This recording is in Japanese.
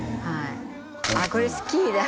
ああこれスキーだ